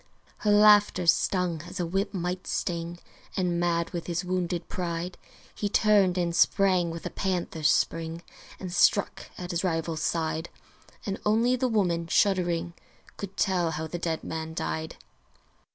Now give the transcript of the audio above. Her laughter stung as a whip might sting; And mad with his wounded pride He turned and sprang with a panther's spring And struck at his rival's side: And only the woman, shuddering, Could tell how the dead man died!